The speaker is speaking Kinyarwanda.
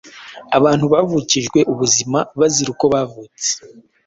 Abantu bavukijwe ubuzima bazira uko bavutse